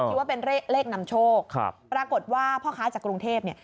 คิดว่าเป็นเลขนำโชคครับปรากฏว่าพ่อค้าจากกรุงเทพเนี่ย